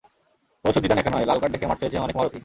অবশ্য জিদান একা নন, লাল কার্ড দেখে মাঠ ছেড়েছেন অনেক মহারথীই।